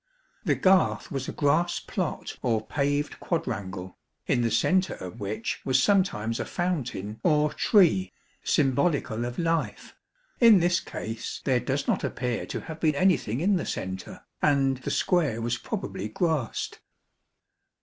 The garth was a grass plot or paved quadrangle, in the centre of which was sometimes a fountain or tree symbolical of life ; in this case there does not appear to have been anything in the centre, and the square was probably grassed.